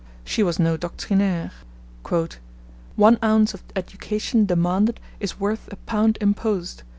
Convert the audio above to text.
She was no doctrinaire. 'One ounce of education demanded is worth a pound imposed.